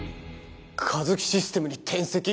カヅキシステムに転籍！？